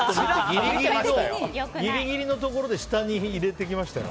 ギリギリのところで下に入れてきましたよ。